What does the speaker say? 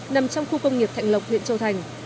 nằm trong khu công nghiệp thạnh lộc huyện châu thành